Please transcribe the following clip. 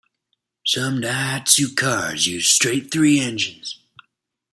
Some Daihatsu cars use straight-three engines.